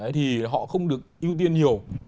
thì họ không được ưu tiên nhiều